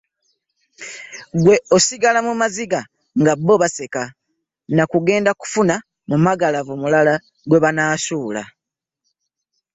Gwe osigala mu maziga nga bo baseka na kugenda kufuna mumagalavu mulala gwe banaasuula.